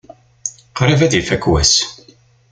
Qrib ad ifak wass.